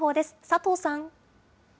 佐藤さん。